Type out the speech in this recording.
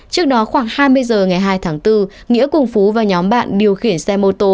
trước đó khoảng hai mươi h ngày hai tháng bốn nghĩa cùng phú và nhóm bạn điều khiển xe mô tô